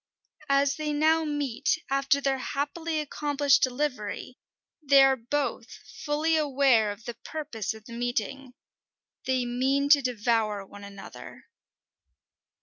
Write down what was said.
As they now meet, after their happily accomplished delivery, they are both fully aware of the purpose of the meeting: they mean to devour one another.